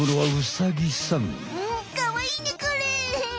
んっかわいいねこれ。